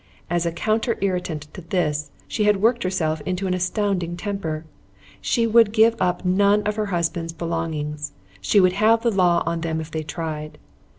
As a counter irritant to this, she had worked herself into an astounding temper. She would give up none of her husband's belongings. She would have the law on them if they tried.